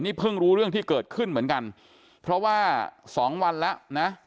นี่เพิ่งรู้เรื่องที่เกิดขึ้นเหมือนกันเพราะว่าสองวันแล้วนะ